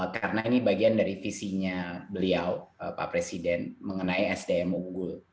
karena ini bagian dari visinya beliau pak presiden mengenai sdm unggul